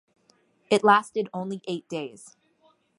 It lasted only eight days.